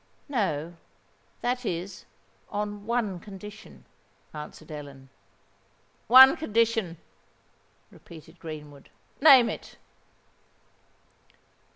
"No—that is, on one condition," answered Ellen. "One condition!" repeated Greenwood: "name it!"